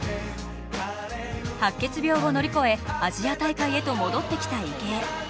白血病を乗り越えアジア大会へと戻ってきた池江。